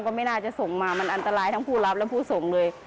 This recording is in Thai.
ก็ไม่น่าจะส่งมามันอันตรายทั้งผู้รับและผู้ส่งเลย